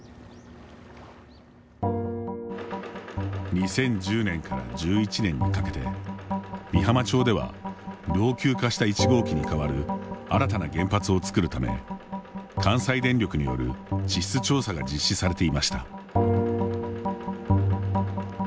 ２０１０年から１１年にかけて美浜町では老朽化した１号機にかわる新たな原発をつくるため関西電力による地質調査が実施されていました。